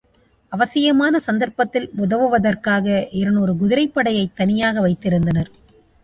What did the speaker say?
அவசியமான சந்தர்ப்பத்தில், உதவுவதற்காக இருநூறு குதிரைப் படையைத் தனியாக வைத்திருந்தனர்.